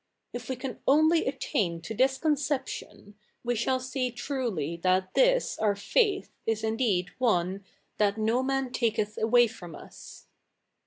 If we can only attain to this co?iception, we shall see truly that this our faith is ifideed one " that no ma?t taketh aivay from us."